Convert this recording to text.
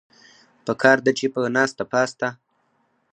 پکار ده چې پۀ ناسته پاسته